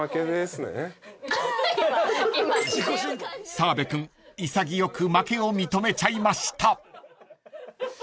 ［澤部君潔く負けを認めちゃいました］